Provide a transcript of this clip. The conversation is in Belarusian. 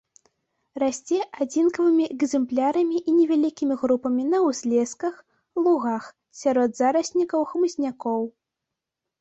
Расце адзінкавымі экземплярамі і невялікімі групамі на ўзлесках, лугах, сярод зараснікаў хмызнякоў.